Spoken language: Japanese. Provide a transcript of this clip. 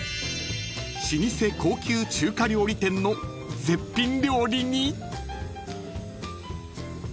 ［老舗高級中華料理店の絶品料理に］